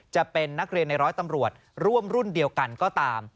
จะเป็นนักเรียนในร้อยตำรวจร่วมรุ่นเดียวกันก็ตาม